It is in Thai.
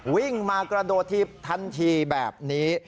วิ่งมากระโดดถีบทันทีแบบนี้